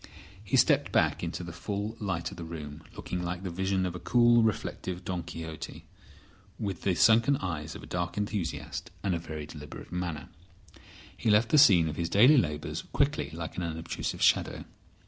He stepped back into the full light of the room, looking like the vision of a cool, reflective Don Quixote, with the sunken eyes of a dark enthusiast and a very deliberate manner. He left the scene of his daily labours quickly like an unobtrusive shadow.